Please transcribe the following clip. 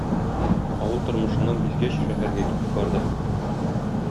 Авыл тормышыннан бизгәч, шәһәргә китеп барды.